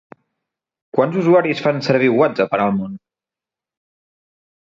Quants usuaris fan servir WhatsApp en el món?